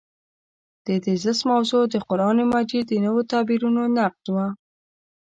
د تېزس موضوع د قران مجید د نویو تعبیرونو نقد و.